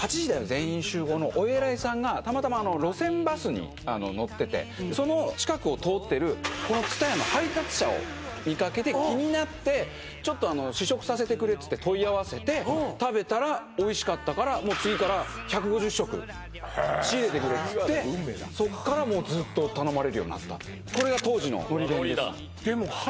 全員集合」のお偉いさんがたまたま路線バスに乗っててその近くを通ってるこの津多屋の配達車を見かけて気になってちょっとあの試食させてくれっつって問い合わせて食べたらおいしかったからもう次から１５０食仕入れてくれっつってそこからこれが当時ののり弁です